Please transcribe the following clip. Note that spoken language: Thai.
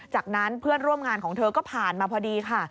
จากนั้นเพื่อนร่วมงานของเธอก็ผ่านมาพอดีค่ะ